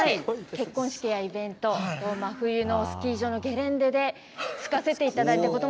結婚式やイベント、真冬のスキー場のゲレンデでつかせていただい